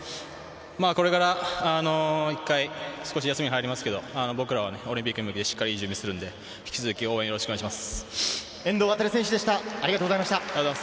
これからもう一回、少し休みに入りますけど、僕らはオリンピックに向けていい準備をするので、引き続き応援をよろしくお願いします。